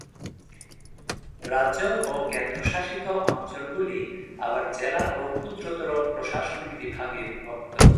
রাজ্য ও কেন্দ্রশাসিত অঞ্চলগুলি আবার জেলা ও ক্ষুদ্রতর প্রশাসনিক বিভাগে বিভক্ত।